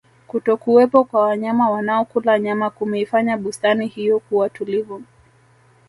kutokuwepo kwa wanyama wanaokula nyama kumeifanya bustani hiyo kuwa tulivu